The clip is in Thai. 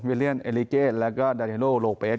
เลียนเอลิเกแล้วก็ดาเนโนโลเปส